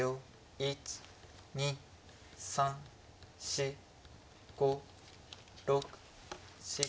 １２３４５６７。